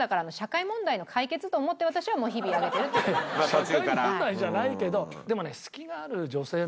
社会問題じゃないけどでもね。